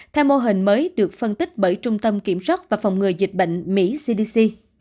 theo mô hình mới được phân tích bởi trung tâm kiểm soát và phòng ngừa dịch bệnh mỹ cdc